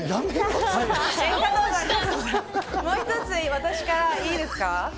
もう一つ、私からいいですか？